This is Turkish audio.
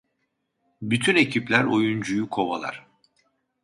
Bütün ekipler oyuncuyu kovalar.